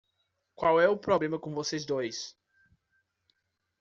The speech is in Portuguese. Qual é o problema com vocês dois?